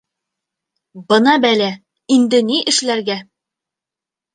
Бына бәлә, инде ни эшләргә?!